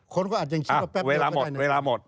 คนอาจจะยังคิดว่าแป๊บเดี๋ยว